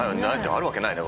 あるわけないね